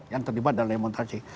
yang terlibat dalam demonstrasi